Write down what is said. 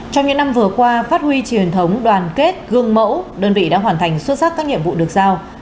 trong những năm vừa qua phát huy truyền thống đoàn kết gương mẫu đơn vị đã hoàn thành xuất sắc các nhiệm vụ được giao